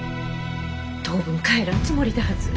当分帰らんつもりだはず。